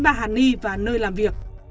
bà hằng hiếu và nơi làm việc